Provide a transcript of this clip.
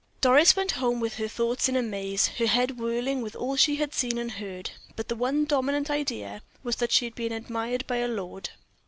Doris went home with her thoughts in a maze, her head whirling with all she had seen and heard; but the one dominant idea was that she had been admired by a lord.